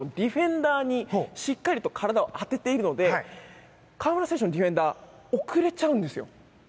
そしてホーキンソン選手が河村選手のディフェンダーにしっかりと体を当てているので河村選手のディフェンダー遅れちゃうんですよ。